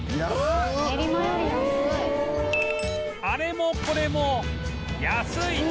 あれもこれも安い！